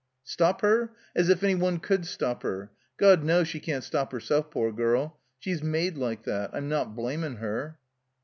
" Stop her? As if any one could stop her! God knows she can't stop herself, poor girl. She's made like that. I'm not blamin' her.'